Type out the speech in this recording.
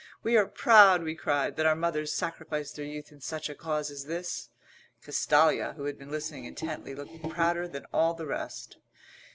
"We are proud," we cried, "that our mothers sacrificed their youth in such a cause as this!" Castalia, who had been listening intently, looked prouder than all the rest.